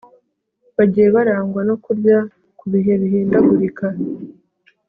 bagiye barangwa no kurya ku bihe bihindagurika